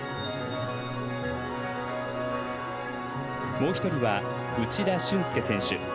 もう１人は内田峻介選手。